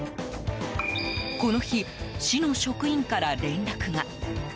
この日、市の職員から連絡が。